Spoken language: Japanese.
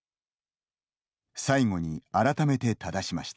最後に改めてただしました。